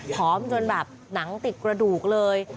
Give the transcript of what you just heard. จนแบบหนังติดกระดูกเลย